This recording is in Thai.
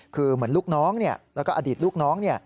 คือเหมือนลูกน้องแล้วก็อดีตลูกน้อง